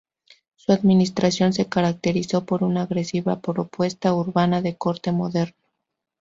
Su administración se caracterizó por una agresiva propuesta urbana de corte moderno.